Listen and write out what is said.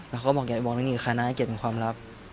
แล้วก็บอกอย่าบอกเรื่องนี้กับใครนะให้เก็บเป็นความลับ